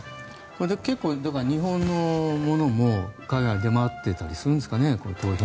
結構、日本のものも海外に出回っていたりするんですかね。